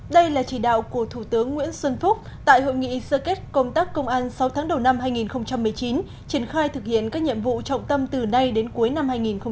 đây là chỉ đạo của thủ tướng nguyễn xuân phúc tại hội nghị sơ kết công tác công an sáu tháng đầu năm hai nghìn một mươi chín triển khai thực hiện các nhiệm vụ trọng tâm từ nay đến cuối năm hai nghìn hai mươi